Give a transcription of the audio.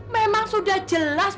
memang sudah jelas